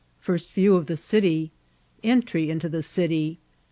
— First View of the City.— Entry into the City.